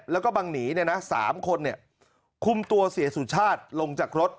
แล้วก็บังหนีเนี่ยนะ๓คนเนี่ยคุมตัวเสียสุชาติลงจากรถ